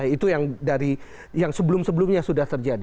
itu yang sebelum sebelumnya sudah terjadi